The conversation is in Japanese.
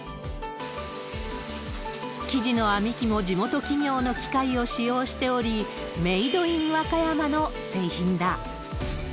生地の編み機も地元企業の機械を使用しており、メードイン和歌山の製品だ。